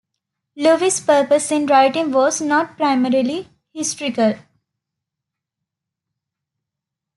Lewis' purpose in writing was not primarily historical.